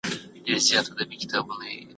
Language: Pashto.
هغه مهال چې سوله موجوده وي، جګړه نه غځېږي.